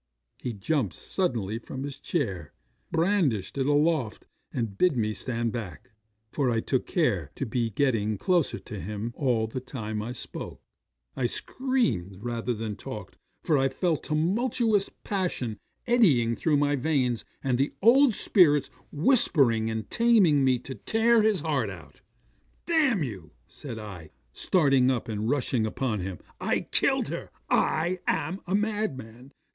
'He jumped suddenly from his chair, brandished it aloft, and bid me stand back for I took care to be getting closer to him all the time I spoke. 'I screamed rather than talked, for I felt tumultuous passions eddying through my veins, and the old spirits whispering and taunting me to tear his heart out. '"Damn you," said I, starting up, and rushing upon him; "I killed her. I am a madman.